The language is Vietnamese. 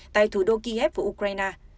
tại thủ đô kiev của ukraine